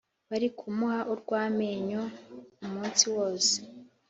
Bari kumuha urw ‘amenyo umunsi wose